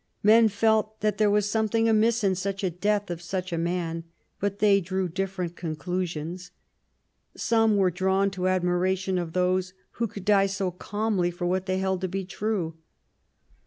'* Men felt there was something amiss in such a death of such a man ; but they drew different con clusions. Some were drawn to admiration of those who could die so calmly for what they held to be true.